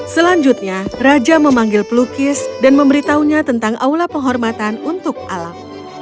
selanjutnya raja memanggil pelukis dan memberitahunya tentang aula penghormatan untuk alam